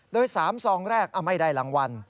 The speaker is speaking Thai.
โดย๓ซองแรกไม่ได้รางวัล